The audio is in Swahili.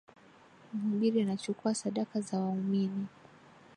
Mhubiri anachukua sadaka za waumini